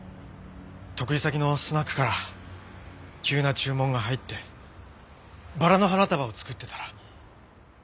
得意先のスナックから急な注文が入ってバラの花束を作ってたら亮子さんから電話があって。